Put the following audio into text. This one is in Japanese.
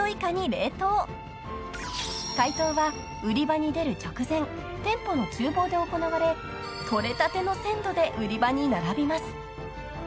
［解凍は売り場に出る直前店舗の厨房で行われ取れたての鮮度で売り場に並びます］